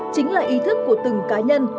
chính là ý thức của từng cá nhân